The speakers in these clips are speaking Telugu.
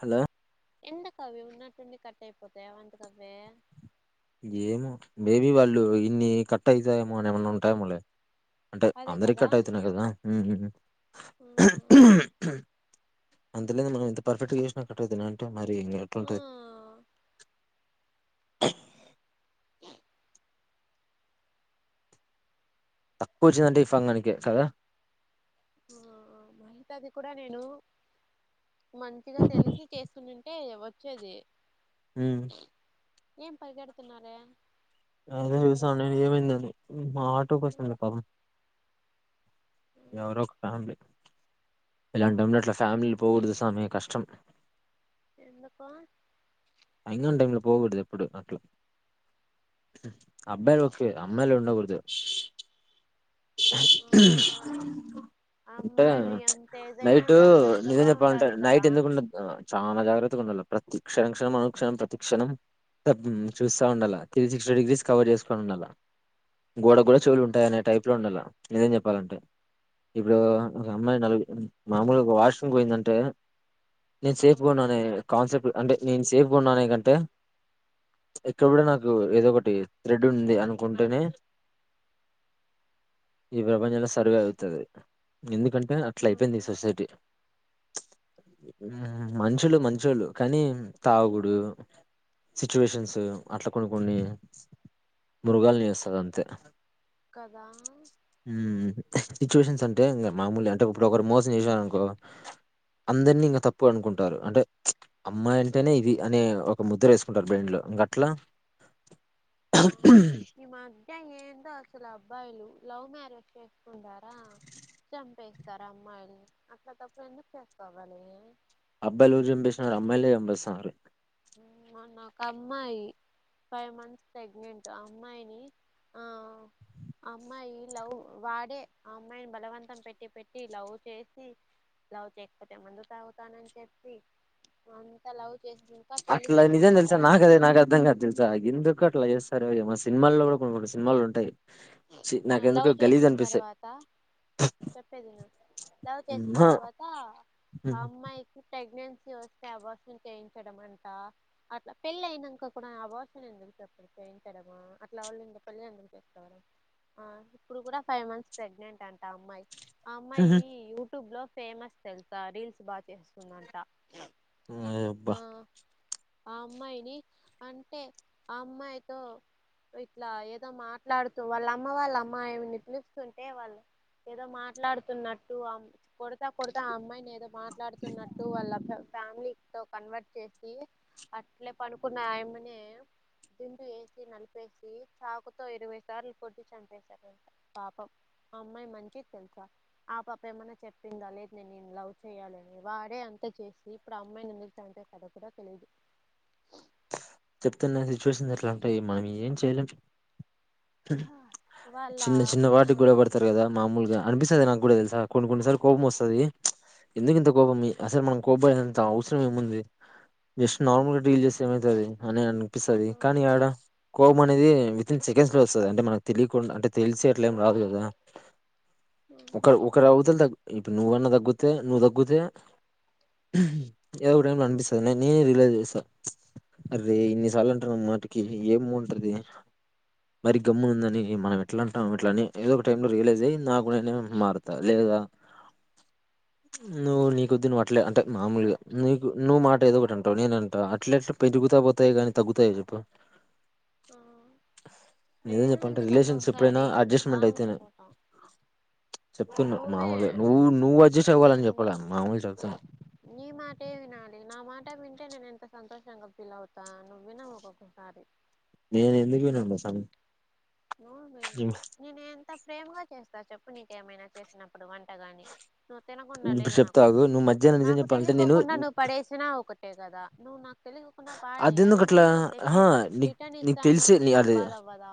హలో ఎందుకవి ఉన్నటు ఉండడి కట్ అయిపోతాయి అవందుకు అవే ఏమో మే బి వాళ్ళు ఇన్ని కట్ అయితాయేమో అని ఏమన్నా ఉన్నటయేమోలే అంటే అదే అందరి కదా కట్ అవుతున్నాయి కదా ఆ అందులో మనం ఎంత పర్ఫెక్ట్ గా చేసినా కట్ట త అంటే మరి ఇం ఆ ఎట్లాంటంది తక్కువ వచ్చిందంటే ఈ పంగనికి కదా ఆ మహితాది కూడా నేను మంచిగా తెలిసి చేస్తున్నా ఏ వచ్చేది హ్మ్ ఏం పరిగెడుతున్నారే అ చస వాళ్ళెవరో ఏమంది ఆటో కోస్తుంది పా ఎవరో ఒక ఫ్యామిలీ ఆ ఇలాంటి ఉన్నట్లా ఫ్యామిలీ పోకూడదు సామీ కష్టం ఎందుకో అనువాల్ టైమ్ లో పోకూడదు ఎప్పుడు అట్లా అబ్బాయి ఒకే అమ్మలే ఉండకూడదు ఆ అంటే అమ్మాయిలు ఎంత ఏదైనా నైట్ జాగ్రత్తగా నిజం చెప్పాలంటే ఉండాలి కదా నైట్ ఇంతకుముందు చాలా జాగ్రత్త ప్రతిక్షరక్ష ణం ప్రతిక్షణం చూస్తా ఉండాల త్రీ సిక్స్టీ డిగ్రీస్ కవర్ చేసుకొని ఉండాల గోడకి కూడా చెవులు ఉమ్ ఉంటాయనే టైప్ లో ఉండాల నిజం చెప్పాలంటే ఇప్పుడు ఒక అమ్మాయి నలుగు మామూలు ఒక వాష్రూమ్ పోయిందంటే నేను ఆ సేఫ్గా ఉన్నాను కాన్సెప్ట్ అంటే నేను సేఫ్గా ఉన్నాను ఎకంటే ఇక్కడ కూడా నాకు ఏదో ఒకటి థ్రెడ్ ఉంది అనుకుంటేనే ఈ ప్రపంచంలో సర్వే అవుతుంది ఎందుకంటే అట్లా ఆ అయిపోయింది ఈ సొసైటీ ఉమ్, మనుషులు మంచోళ్ళు కానీ తాగుడు సిచ్యువేషన్స్ అట్లా కొన్ని కొన్ని ఆ మృగాలిని చేస్తది అంతే కదా సిచ్యువేషన్స్ అంటే ఇంకా మామూలు అంటే ఇప్పుడు ఒకరు మోసం చేశారనుకో ఉమ్, అందరినీ ఇంకా తప్పు అనుకుంటా అంటే అమ్మాయి ఇట అంటేనే ఇది అనే ఒక ముద్ర వేసుకుంటారు బెండ్లో ఇంకట్లా ఆ ఈ మధ్య ఏందో అసలు అబ్బాయిలు లవ్ మ్యారేజ్ చేసుకుంటారా చంపేస్తారు అమ్మాయిని అట్లా తప్పుడు ఎందుకు చేసుకోవాలి అబ్బాల యు రు చెంపిేసినారు అమ్మాయిలే ఎంబసారు ము నఒక అమ్మాయి ఫైవ్ మంత్స్ ప్రెగ్నెంట్ అమ్మాయిని ఆ అమ్మాయి లవ్ వాడే ఆ అమ్మాయిని బలవంతం పెట్టి పెట్టి లవ్ చేసి లవ్ చేయకపోతే మందు తాగుతానని చెప్పి అంతా లవ్ చేసినంక పెళ్లి అట్లా నిజం చేసుకున్న తెలుసా తర్వాత నాకదే నాకు అర్థం కాదు తెలుసా ఎందుకు అట్లా చేస్తారు ఏమో అసలు సినిమాల్లో కూడా కొన్ని సినిమాలు ఉంటాయి చీ నాకెందుకో గలీజ్ అనిపిస్తాయి చెప్పేది విను లవ్ చేసిన మ్హా తర్వాత ఆ మ్హ్ అమ్మాయికి ప్రెగ్నెన్సీ వస్తే అబార్షన్ చేయించడం అంట అట్లా పెళ్ళి అయినాంక కూడా అబార్షన్ ఎందుకు చెప్పు తవా [inaudible] ఇప్పుడు కూడా ఫైవ్ మంత్స్ ప్రెగ్నెంట్ అంట అమ్మాయి ఆ అమ్మాయి మ్హ్ యూట్యూబ్ లో ఫేమస్ తెలుసా రీల్స్ బాగా చేస్తుందంట ఓయబ్బ ఆ ఆ అమ్మాయిని అంటే ఆ అమ్మాయితో ఇట్లా ఏదో మాట్లాడుతూ వాళ్ళమ్మ వాళ్ళ అమ్మాయి అని పిలుస్తుంటే వాళ్ళు ఏదో మాట్లాడుతున్నట్టు కొడతా కొడతా ఆ అమ్మాయిని ఏదో మాట్లాడుతున్నట్టు వాళ్ళ ఫ్యామిలీ తో కన్వర్ట్ చేసి అట్లే పడుకున్న ఆయమ్మనే దిం పేసి నలపే చాకుతో ఇరవై సార్లు కొట్టి చంపేశారు పాపం ఆ అమ్మాయి మంచిది తెలుసా ఆ పాప ఏమన్నా చెప్పిందా లేదు తెలియదు నేను లవ్ చేయ్యాలని వాడే అంతా చేసి ఇప్పుడు అమ్మాయిని అంటే కథ కూడా తెలీదు చెప్తున్న సిచ్యువేషన్స్ ఎట్లా ఉంటాయి మనం ఏం చేయలేం వాళ్ళ చిన్న చిన్న ఆ వాటికి కూడ కొడతారు కదా మామూలుగా అనిపిస్తుంది నాకు కూడా తెలు ఆ కొన్ని కొన్ని సార్లు కోపం వస్తది ఎందుకు ఇంత కోపం అసలు మనం కోప్పడేంత అవసరం ఏముంది జస్ట్ నార్మల్ గా డీల్ చేస్త ఏమయితాది అని అనిపిస్తది కానీ ఆడ కో పం అనేది వితిన్ సెకండ్స్ లో వస్తది అంటే మనకు తెలియకుండా అంటే తెలిసే ఇట్లేం రాదు కదా ఒక ఆ ఒకరు అవతల ద ఇప్పుడు నువ్వన్నా తగ్గితే నువ్వు తగ్గితే ఎవరేమనిపిస్తది నేనే నీలా చూస్తా అరే ఇన్నిసార్లు అంటారు మాటికి ఏం ఉంటది మరి గమ్మునుందని మనం ఎట్లాంటం అట్లని ఏదో ఒక టైమ్ లో రియలైజ్ అయి నా ఇప్పు నేనే మారుతా లేదా నువ్వు నీకొద్ది నువ్ అట్లే అంటే మామూలుగా నీకు నువ్ మాట ఏదో ఒకటి అంటావు నేనంట అట్ల ఎట్లా పెరుగుతా పోతాయి కానీ తగ్గుతాయ చెప్పు ఆ నిజం నేను చెప్పంటే ఉందిగా రిలేషన్స్ ఎప్పుడైనా ఒక్కొక్కసారి అడ్జస్ట్మెంట్ అయితేనే [inaudible] చెప్తున్నా నువ్వే మాముూలుగా నువ్వు నువ్వు అడ్జెస్ట్ నేను అవ్వాలని చెప్పలే మాముూలుగా చెప్తున్నా నీ మాటే వినాలి నా మాట వింటే నేను సంతోషంగా ఫీల్ అవుతా నువ్ వినవు ఒక్కొక్కసారి నేను ఎందుకు [unintelligible] నేను ఎంత ప్రేమగా చేస్తా చెప్పు నీకేమైనా చేసినప్పు అప్పుడు వంటగాని నువ్వు తినకుండా ఇప్పుడు లేదు చెప్తా నాకు ఆగు నువ్వు మధ్యాహ్నం నిజం నాకు చెప్పాలంటే నేను తెలియకోకుండా నువ్వు పడేసినా ఒకటే కదా నువ్వు నాకు తెలియకుండా పాడే అది అదెందుకట్లా మళ్ళీ నాకు తెచ్చి ఆహా నీకు రిటర్న్ ఇస్తాను అంటే నాకు బాధ అవ్వదా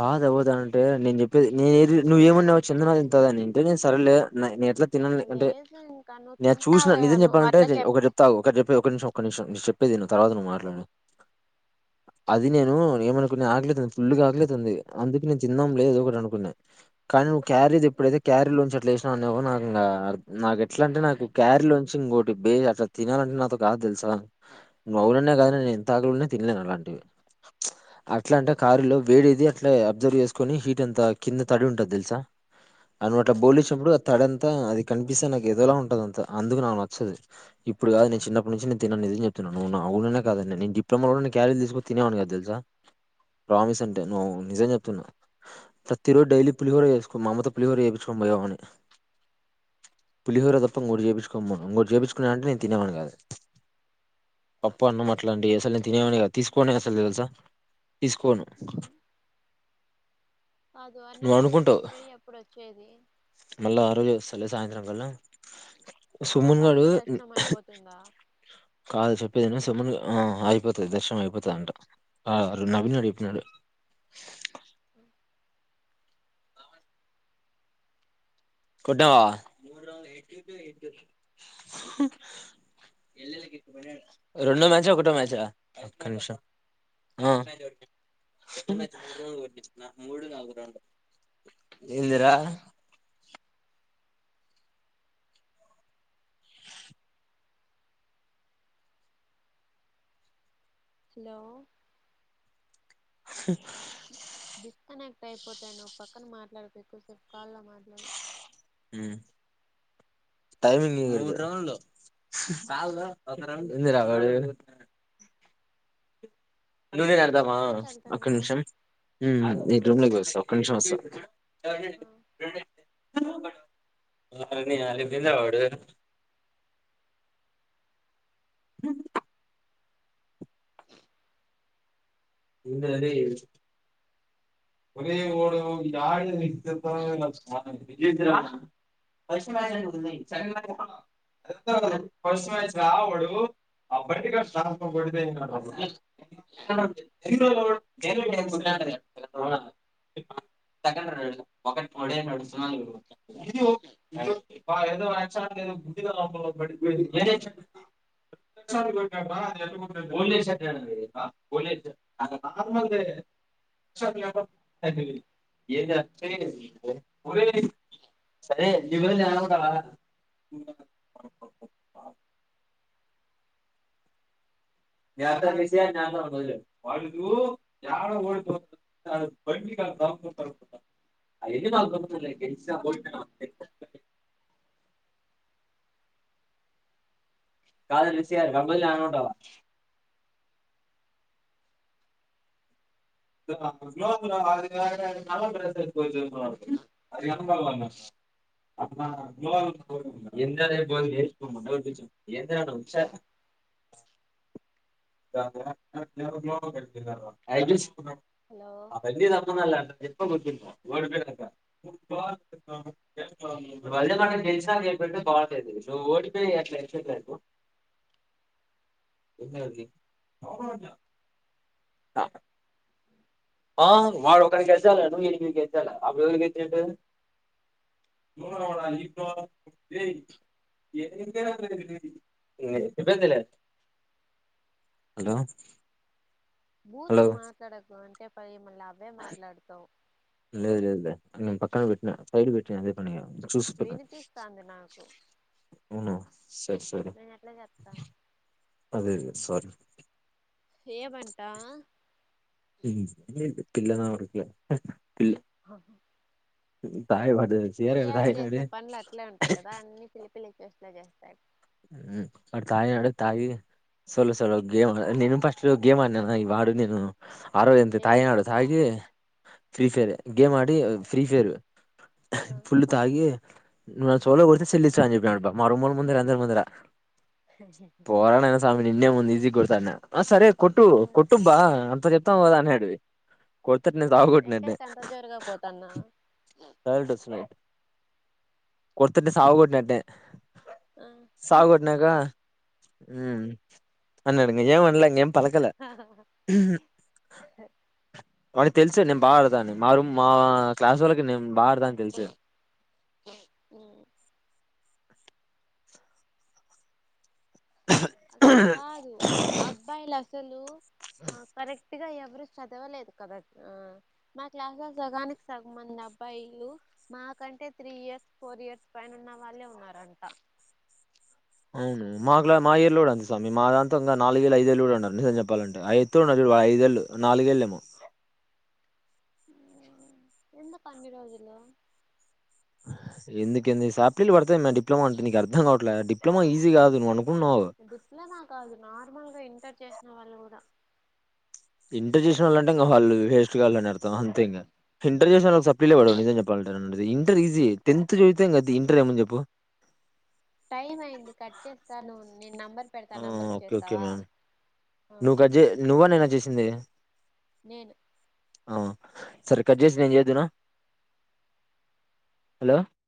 బాద పోవుతా అంటే నేను చెప్పేది నేనుది నువ్వు ఏమన్నావు చిన్నదైద్ధ అద నేను సరలే నేను ఎట్లా తినాలి అంటే లేదు ఇంకా నువ్వు నేను చూసిన తింటావే నిజం నువ్వు చెప్పాలంటే అట్లా ఒకటి చెప్తే చెప్తా ఆగు ఒకటి చెప్పి ఒక నిమిషం ఒక నిమిషం చెప్ చెప్పేది విను తర్వాత నువ్వు మాట్లాడు అది నేను ఏమనుకున్నా ఆకలైతుంది ఫుల్గా ఆకలేతుంది అందుకు నేను తిన్నంలే ఏదో ఒకటి అనుకున్నాను కానీ క్యారేజ్ ఎప్పుడైతే క్యారీ లో నుంచి అట్లా వ్వ నాక నాకు ఎట్లా అంటే నాకు క్యారీలో నుంచి ఇంకోటి బే అట్లా తినాలంటే నాతో కాదు తెలుసా నువ్వు అవునన్నా కాదన్న నేను ఎంత ఆకలున్నా తినలేను అలాంటివి అట్లా అంటే కారులో వేడేది అట్లా అబ్జర్వ్ చేసుకుని హీట్ ఎంత కింద తడి ఉంటది తెలుసా అని అట్లా ఆ బోలిచ్చినప్పుడు తడంత అంత అది కనిపిస్తే నాకు ఎదోలా ఉంటదంతా అందుకు నాకు నచ్చది ఇప్పుడు కాదు నేను చిన్నప్పటి నుంచి నేను తిననిది చెప్పను చెప్తున్న నువ్వు అవునన్నా కాదన్న నేను డిప్లోమాలోనే క్యారేజ్ తీసుకుని తినేవాను కాదు తెలుసా ప్రామిస్ అంటే నువ్వు నిజం చెప్పు ప్రతిరోజు డైలీ పులిహోర చేసుకో మాఅమ్మ తో పులిహోర చేపిచ్చుకోని పోయే వాన్ని పులిహోర దప్ప ఇంకోటి చేపిచుకో అమ్మ ఇంకోటి చేపిచూకో అంటే నేను తినేవాన్ని కాదు పప్పు అన్నం అట్లాంటి అసలు నేను తినేవాని కాదు తీసుకోను అసలు తెలుసా తీసుకోను కాదు నువ్వు అరుణాచలానికి అనుకుంటావు పోయి ఎప్పుడు వచ్చేది మళ్ళా ఆ రోజు సాయంత్రం కల్ల ఆ సుమ్మన్గాడు పాటికే దర్శనం అయిపోతుందా కాదు చెప్పేది విను సుమ్మన్ అగిపోతాది దర్శనం అయిపోతంది అంట ఆ నవీన్ గాడు చెప్పినాడు కొట్టావా రెండో మ్యాచ్ ఆ ఒకటో మ్యాచ్ రా ఒక్క నిమిషం ఆ ఏందిరా హలో డిస్కనెక్ట్ అయిపోతాయి నువ్వు పక్కన మాట్లాడకు ఎక్కువ సేపు కాల్ లో మాట్లాడు టైమింగ్ లో ఎ రాబ [unintelligible] అందుే నదావా ఎక్కడికి అకు వెళ్తున్నా నిమిషం [unintelligible] ఉం ఉం ఆ వీడి రూమ్ లో కి పోయి వస్తా ఒక్క నిమిషం వస్త ఆ ఒరిని అలిగిండా వాడు అ ఉంది రరే ఒరే ని [unintelligible] వస చ [unintelligible] అ రాబడు అబటి కడిద [unintelligible] ఒకటిడేడు సునాలు [unintelligible] ఇ ఇ [unintelligible] బ ఏదోదో బుద్ధగా [unintelligible] అ మార్ [unintelligible] ఏది ప [unintelligible] సరే ఇవనుంట [unintelligible] నత విషయాత మొద వా [unintelligible] అది బ కాాల కాకు పరకుత [unintelligible] అ గె పోయి [unintelligible] కాదులు విసయ కంబల్ అన ఉంటవా [unintelligible] అదిది [unintelligible] [unintelligible] [unintelligible] అవన్నీ హలో [unintelligible] అంటది [unintelligible] బాగుండేది నువ్వు ఓడిపోయి అట్లా చెప్పలేదు [unintelligible] ఆ వాడొకటి గల్చాల నువ్ ఎనిమిది గలచాల అప్పుడు ఎవరు గెలిచిండు [unintelligible] హలో హలో బూతులు మాట్లాడకు అంటే పై మళ్ళీ అవే మాట్లాడుతావు అని నేను పక్కకు పెట్టినా సైడ్ పెట్టినా అదే పనిగా వినిపిస్తాంది నాకు అవునా సరే సరే నేను ఎట్లా చెప్తా అదే అదే సారీ ఏమంట [inaudible] ఆహా తాయ్ వడ్డది [inaudible] తాగినారే పిల్ల చేష్టలే చేస్తా ఊ ఆడు తాగాడా తాగి సొలు సొలో గేమ్ నేను ఫస్ట్ లో గేమ్ అడినాను అయ్ వాడూ నేను ఆ రోజు అంతే ఏం తాగినాడు గేమ్ తాగి ఫ్రీ ఫైర్ గేమ్ ఆడి ఫ్రీ ఫైర్ ఆ ఫుల్లు తాగి నువ్ నా చెవులో కొడితే సెల్లిచ్చా అని చెప్పినాడు బా మా రూమోళ్ళ ముందర దరు ముందర పోరా నాయనా సామి నిన్నే ముందు ఈజీగా గొడతాం అన్నాం ఆ సరే కొట్టు ఆ కొట్టుబ్బా అంత చెప్తావ్ కదా అన్నేడు కొడుతట్నే ఆ సావ కొట్నా అట్నే ఎక్కడికంత జోరుగా పోతన్నావ్ కొడతంటే సావ కొట్టినట్టే ఆ హ్మ్ అన్నాడు ఏం అనలేంగం పలకల వాడికి తెలుసు నేను బాగా ఆడతా అని మారు మా క్లాసోళ్ళకి నేను బా ఆడతా అని తెలుసు హ్మ్ అంత కాదు అబ్బాయిలు అసలు ఆ కరెక్ట్ గా ఎవరు చదవలేదు కదా ఆ మా క్లాస్ లో సగానికి సగం మంది అమ్ అబ్బాయిలు మాకంటే త్రీ ఇయర్స్ ఫోర్ ఇయర్స్ పైన ఉన్న వాళ్ళే ఉన్నారంట అవును మాకులా మా ఇయరులో కూడా అంతే సామీ మా దాంట్లో ఇంకా నాలుగేళ్ళు ఐదేళ్ళు కూడా ఉన్నారు నిజం చెప్పాలంటే ఆ ఎత్తుగ ఉన్నారు చూడు ఐదేళ్లు నాలుగేళ్ళేమో ఎందుకన్నిరోజులు ఎందుకేంది సాప్లీలు పడతాయి మ డిప్లమా అంటే నీకు అర్థం కావట్లేదు డిప్లొమా ఈజీ కాదు నువ్ అను డిప్లొమా కాదు నార్మల్ గా ఇంటర్ చేసిన వాళ్ళు కూడా ఇంటర్ చేసిన వాళ్ళు అంటే ఇంక వాళ్ళు వేస్ట్ గాళ్ళు అని అర్ అర్థం అంతే ఇంక ఇంటర్ చేసిన వాళ్ళకు అసలు సప్లీలే పడవు నిజం చెప్పాలంట ఇంటర్ ఈజీ టెన్త్ చదివితే ఇంకది ఇంటర్ ఏముంది చెప్పు టైం అయింది కట్ చేస్తాను నేను నెంబర్ పెడతా ఆ నెంబర్కి ఓకే ఓకే చేస్తావా మ్యామ్ ఏంది నేను అవ్ సరే కట్ చేసి నేన్ చేద్దునా హలో